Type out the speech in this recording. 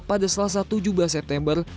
pada selasa tujuh belas september